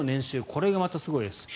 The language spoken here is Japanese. これがまたすごいです。